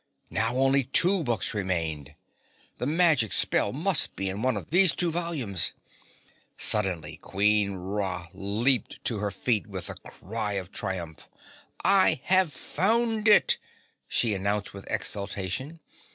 Now only two books remained. The magic spell must be in one of these two volumes. Suddenly Queen Ra leaped to her feet with a cry of triumph. "I have found it!" she announced with exultation.